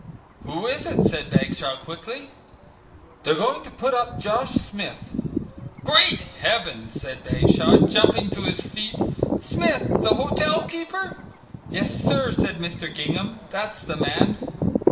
"Who is it?" said Bagshaw quickly. "They're going to put up Josh Smith." "Great Heaven!" said Bagshaw, jumping to his feet; "Smith! the hotel keeper." "Yes, sir," said Mr. Gingham, "that's the man."